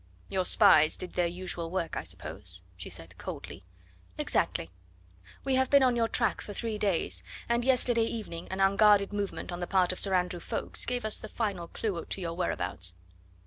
"Your spies did their usual work, I suppose," she said coldly. "Exactly. We have been on your track for three days, and yesterday evening an unguarded movement on the part of Sir Andrew Ffoulkes gave us the final clue to your whereabouts."